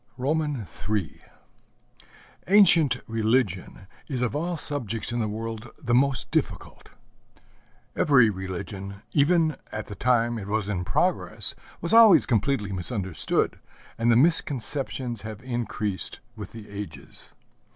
III Ancient religion is of all subjects in the world the most difficult. Every religion, even at the time it was in progress, was always completely misunderstood, and the misconceptions have increased with the ages.